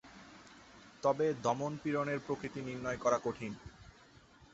তবে দমন পীড়নের প্রকৃতি নির্ণয় করা কঠিন।